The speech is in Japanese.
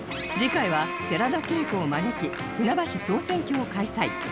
次回は寺田恵子を招き船橋総選挙を開催